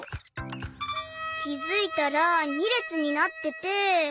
きづいたら２れつになってて。